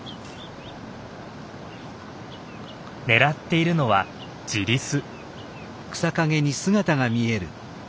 狙っているのはジリス。